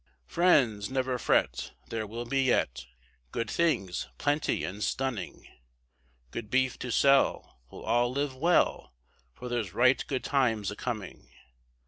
Friends, never fret, there will be yet, Good things, plenty and stunning, Good beef to sell, we'll all live well, For there's right good times a coming.